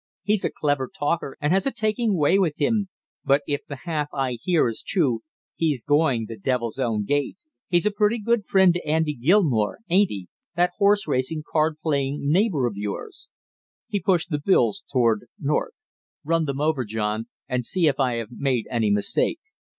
He's a clever talker and has a taking way with him, but if the half I hear is true, he's going the devil's own gait. He's a pretty good friend to Andy Gilmore, ain't he that horse racing, card playing neighbor of yours?" He pushed the bills toward North. "Run them over, John, and see if I have made any mistake."